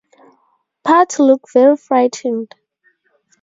Pott looked very frightened.